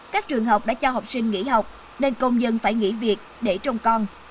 các trường học đã cho học sinh nghỉ học nên công dân phải nghỉ việc để trông con